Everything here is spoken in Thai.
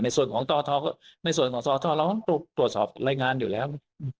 ในส่วนของสทเราต้องตรวจสอบรายงานอยู่แล้ว